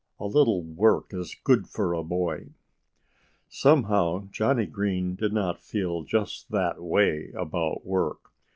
"A little work is good for a boy." Somehow Johnnie Green did not feel just that way about work.